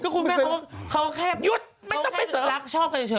ก็คุณแม่เขาแค่รักชอบกันเฉย